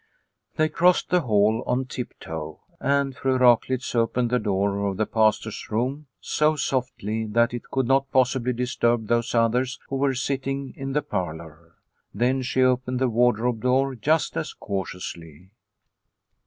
They crossed the hall on tiptoe, and Fru Raklitz opened the door of the Pastor's room so softly that it could not possibly disturb those others who were sitting in the parlour. Then she opened the wardrobe door just as cautiously.